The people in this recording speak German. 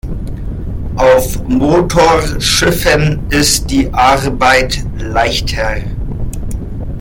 Auf Motorschiffen ist die Arbeit leichter.